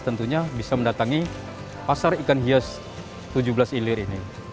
tentunya bisa mendatangi pasar ikan hias tujuh belas ilir ini